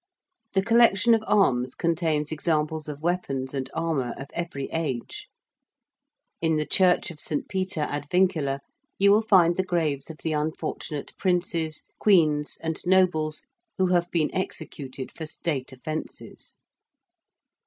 The collection of arms contains examples of weapons and armour of every age. In the Church of St. Peter ad Vincula you will find the graves of the unfortunate Princes, Queens, and nobles who have been executed for State offences.